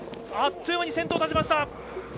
あっという間に先頭に立ちました。